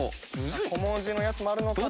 小文字のやつもあるのか？